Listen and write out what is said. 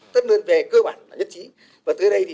tất đơn về cơ bản và nhất trí